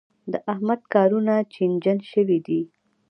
د احمد کارونه چينجن شوي دي.